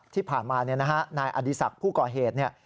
ที่ผ่านมาเนี่ยนะฮะนายอดีศักดิ์ผู้ก่อเหตุเนี่ย